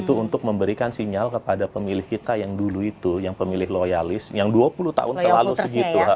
itu untuk memberikan sinyal kepada pemilih kita yang dulu itu yang pemilih loyalis yang dua puluh tahun selalu segitu